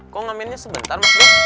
kok ngemennya sebentar